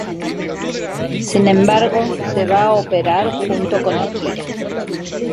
Sin embargo, se va a operarse junto con Akira.